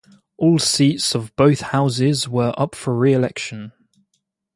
All seats of both houses were up for re-election.